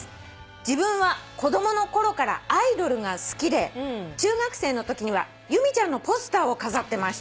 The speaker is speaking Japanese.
「自分は子供のころからアイドルが好きで中学生のときには由美ちゃんのポスターを飾ってました」